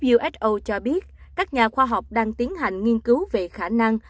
uso cho biết các nhà khoa học đang tiến hành nghiên cứu về khả năng